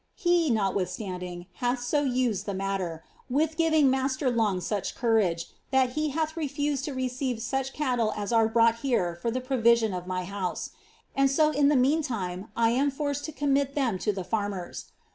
Hi', notwithstanding, hath so used the matter, with giving master Long tnch courage, that he refuseth to receive such cattle as are brought here for the provision of my house : and so in the meantime I am forced to commit them to farmers.